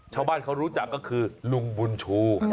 ชาวบ้านเขารู้จักก็คือลุงบุญชู